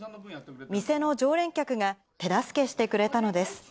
店の常連客が手助けしてくれたのです。